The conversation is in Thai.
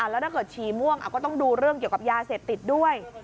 แล้วถ้าเกิดฉี่ม่วงก็ต้องดูเรื่องเกี่ยวกับยาเสพติดด้วย